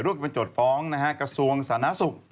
รวมถึงเป็นโจทย์ฟ้องกขสวงสาหนะศุกร์